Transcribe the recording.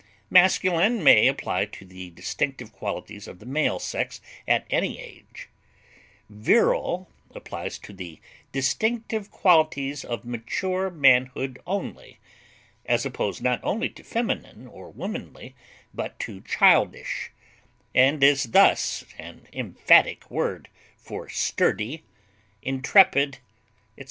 Masculine may apply to the distinctive qualities of the male sex at any age; virile applies to the distinctive qualities of mature manhood only, as opposed not only to feminine or womanly but to childish, and is thus an emphatic word for sturdy, intrepid, etc.